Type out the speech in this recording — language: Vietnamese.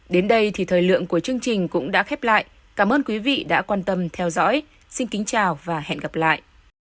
đến đây thì thời lượng của chương trình cũng đã khép lại cảm ơn quý vị đã quan tâm theo dõi xin kính chào và hẹn gặp lại